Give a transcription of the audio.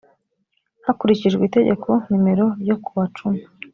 hakurikijwe itegeko nimero ryo kuwa cumi.